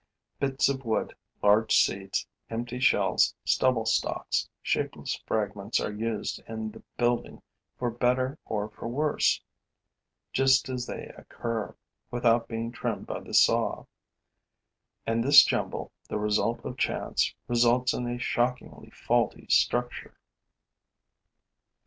Bits of wood, large seeds, empty shells, stubble stalks, shapeless fragments are used in the building for better or for worse, just as they occur, without being trimmed by the saw; and this jumble, the result of chance, results in a shockingly faulty structure.